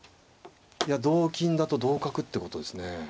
いや同金だと同角ってことですね。